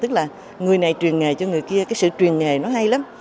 tức là người này truyền nghề cho người kia cái sự truyền nghề nó hay lắm